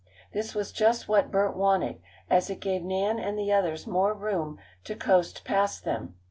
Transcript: This was just what Bert wanted, as it gave Nan and the others more room to coast past them.